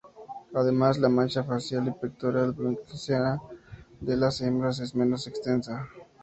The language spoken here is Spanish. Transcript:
Además la mancha facial y pectoral blanquecina de las hembras es menos extensa.